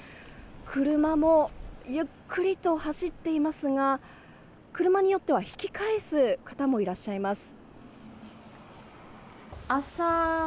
車もゆっくりと走っていますが車によっては引き返す方もいらっしゃいます。